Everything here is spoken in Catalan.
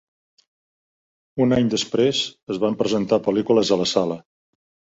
Un any després, es van presentar pel·lícules a la sala.